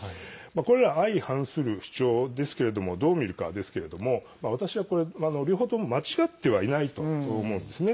これら相反する主張をどう見るかですけれども私は、これ両方とも間違ってはいないと思うんですね。